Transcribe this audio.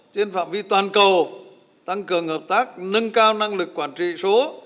trên phạm vi toàn cầu tăng cường hợp tác nâng cao năng lực quản trị số